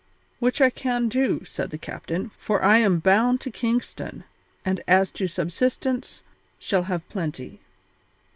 "Which I can do," said the captain, "for I am bound to Kingston; and as to subsistence, shall have plenty."